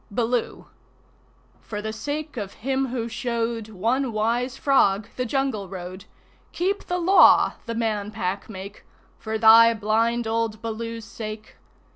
] Baloo For the sake of him who showed One wise Frog the Jungle Road, Keep the Law the Man Pack make For thy blind old Baloo's sake!